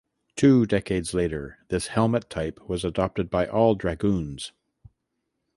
Two decades later this helmet type was adopted by all dragoons.